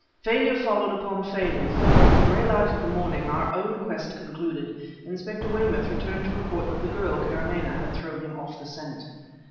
Failure followed upon failure; for, in the gray light of the morning, our own quest concluded, Inspector Weymouth returned to report that the girl, Karamaneh, had thrown him off the scent.